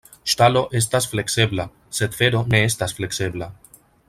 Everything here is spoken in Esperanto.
Ŝtalo estas fleksebla, sed fero ne estas fleksebla.